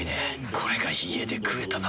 これが家で食えたなら。